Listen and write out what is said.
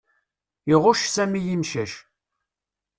Iɣucc Sami imcac.